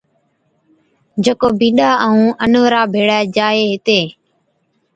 جڪو بِينڏا ائُون اَنورا ڀيڙي جائي ھِتين